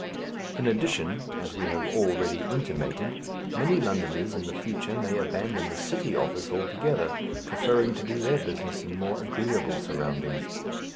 In addition, as we have already intimated, many Londoners in the future may abandon the city office altogether, preferring to do their business in more agreeable surroundings.